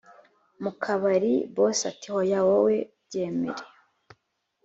mukabari” boss ati”hoya wowe byemere